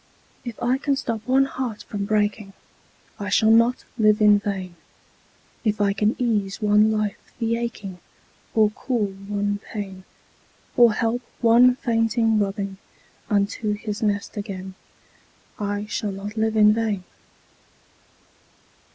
If I can stop one heart from breaking, I shall not live in vain; If I can ease one life the aching, Or cool one pain, Or help one fainting robin Unto his nest again, I shall not live in vain.